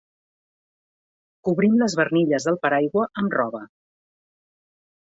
Cobrim les barnilles del paraigua amb roba.